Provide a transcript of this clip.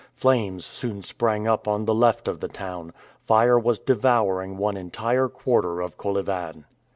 Flames soon sprang up on the left of the town. Fire was devouring one entire quarter of Kolyvan.